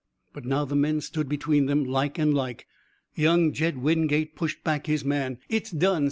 But now the men stood between them, like and like. Young Jed Wingate pushed back his man. "It's done!"